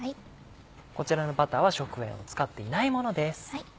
こちらのバターは食塩を使っていないものです。